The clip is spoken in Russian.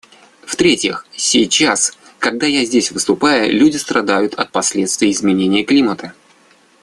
В-третьих, сейчас, когда я здесь выступаю, люди страдают от последствий изменения климата.